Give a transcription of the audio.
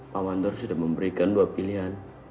pak wandor sudah memberikan dua pilihan